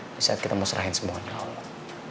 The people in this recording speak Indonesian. di saat kita mau serahin semua ke allah